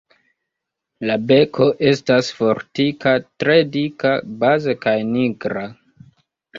La beko estas fortika, tre dika baze kaj nigra.